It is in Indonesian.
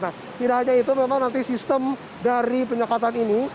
nah tidak hanya itu memang nanti sistem dari penyekatan ini